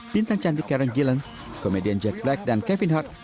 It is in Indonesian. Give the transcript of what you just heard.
bintang cantik karen gillen komedian jack black dan kevin heart